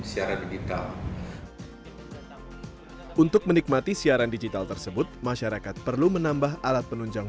siaran digital untuk menikmati siaran digital tersebut masyarakat perlu menambah alat penunjang